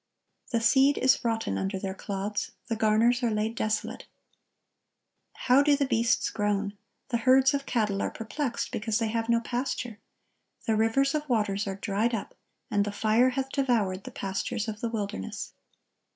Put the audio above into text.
"The seed is rotten under their clods, the garners are laid desolate." "How do the beasts groan! the herds of cattle are perplexed, because they have no pasture.... The rivers of waters are dried up, and the fire hath devoured the pastures of the wilderness."